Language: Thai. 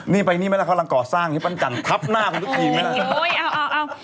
นี่ไปนี่ไหมละเค้าล่างก่อสร้างนี่ปั้นจันทรัพย์หน้าของทุกทีไหมละ